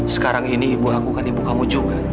sekarang ini ibu aku kan ibu kamu juga